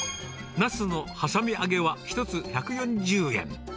ナスのはさみ揚げは１つ１４０円。